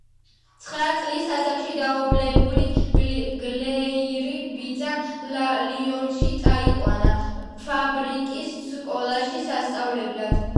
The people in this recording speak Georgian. ცხრა წლის ასაკში დაობლებული გლეირი ბიძამ ლიონში წაიყვანა ფაბრიკის სკოლაში სასწავლებლად.